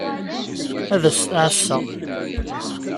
Ad s-t-εasseɣ.